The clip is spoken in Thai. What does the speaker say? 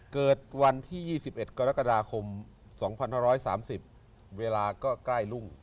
เกิดวันที่๒๑กรกฎาคม๒๕๓๐เวลาก็ใกล้รุ่ง